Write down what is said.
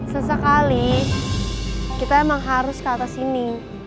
sesekali kita emang harus ke atas sini